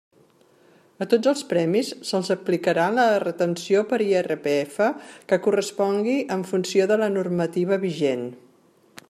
A tots els premis se'ls aplicarà la retenció per IRPF que correspongui en funció de la normativa vigent.